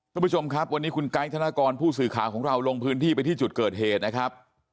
คุณผู้ชมครับวันนี้คุณไกด์ธนกรผู้สื่อข่าวของเราลงพื้นที่ไปที่จุดเกิดเหตุนะครับ